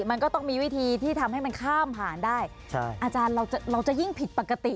มันก็ต้องมีวิธีที่ทำให้มันข้ามผ่านได้อาจารย์เราจะเราจะยิ่งผิดปกติ